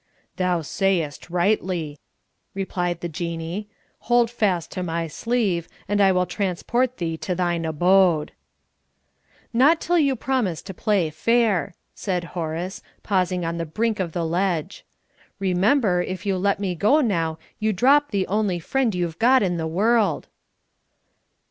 "Thou sayest rightly," replied the Jinnee; "hold fast to my sleeve, and I will transport thee to thine abode." "Not till you promise to play fair," said Horace, pausing on the brink of the ledge. "Remember, if you let me go now you drop the only friend you've got in the world!"